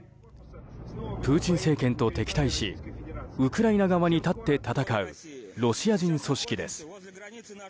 プーチン政権と敵対しウクライナ側に立って戦うロシア人組織です。